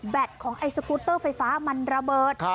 ของไอ้สกูตเตอร์ไฟฟ้ามันระเบิด